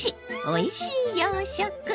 おいしい洋食！」。